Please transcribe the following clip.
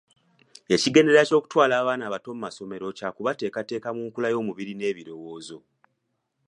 Ekigendererwa ky’okutwala abaana abato mu masomero kya kubateekateeka mu nkula y’omubiri n’ebirowoozo.